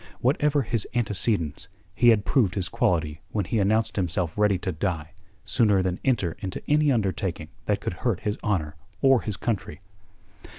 Whatever his antecedents, he had proved his quality when he announced himself ready to die sooner than enter into any undertaking that could hurt his honour or his country.